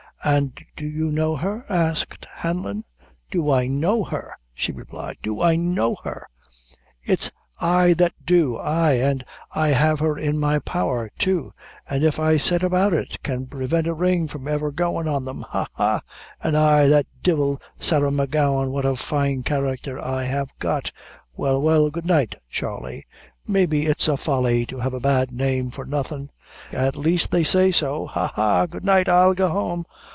"An' do you know her?" asked Hanlon. "Do I know her!" she replied; "do I know her! it's I that do; ay, an' I have her in my power, too; an' if I set about it, can prevent a ring from ever goin' on them. Ha! ha! Oh, ay; that divil, Sarah M'Gowan, what a fine character I have got! Well, well, good night, Charley! Maybe it's a folly to have the bad name for nothin'; at laist they say so. Ha! ha! Good night; I'll go home.